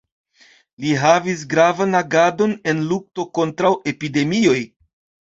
Li havis gravan agadon en lukto kontraŭ epidemioj.